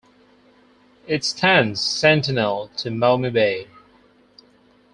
It stands sentinel to Maumee Bay.